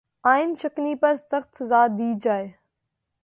آئین شکنی پر سخت سزا دی جائے